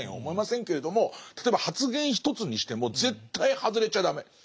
思いませんけれども例えば発言一つにしても絶対外れちゃ駄目。